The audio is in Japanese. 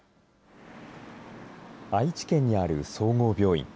愛知県にある総合病院。